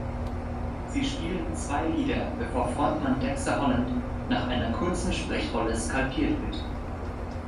Sie spielen zwei Lieder bevor Frontman Dexter Holland nach einer kurzen Sprechrolle skalpiert wird.